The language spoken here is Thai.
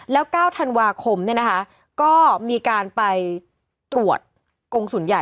แล้ว๙ธันวาคมก็มีการไปตรวจกงศูนย์ใหญ่